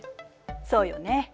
そうよね。